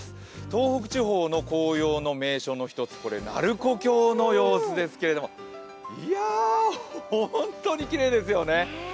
東北地方の紅葉の名所の一つ鳴子峡の様子ですけれどもいや、ホントにきれいですよね。